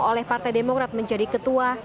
oleh partai demokrat menjadi ketua